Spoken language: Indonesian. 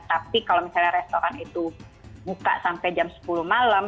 tapi kalau misalnya restoran itu buka sampai jam sepuluh malam